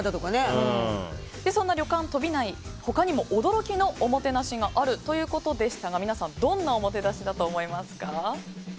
そんな旅館とびない他にも驚きのおもてなしがあるということでしたが皆さん、どんなおもてなしだと思いますか？